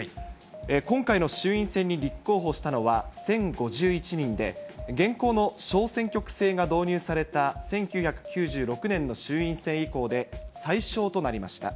今回の衆院選に立候補したのは１０５１人で、現行の小選挙区制が導入された、１９９６年の衆院選以降で最少となりました。